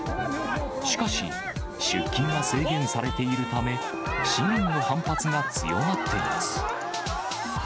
しかし出勤は制限されているため、市民の反発が強まっています。